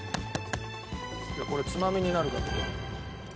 これつまみになるからこれ。